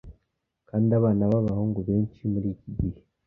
Kandi abana b’abahungu benshi muri iki gihe,